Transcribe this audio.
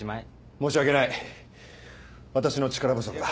申し訳ない私の力不足だ。